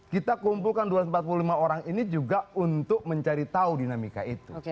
kita kumpulkan dua ratus empat puluh lima orang ini juga untuk mencari tahu dinamika itu